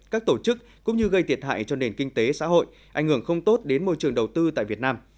các tổ chức cũng như gây thiệt hại cho nền kinh tế xã hội ảnh hưởng không tốt đến môi trường đầu tư tại việt nam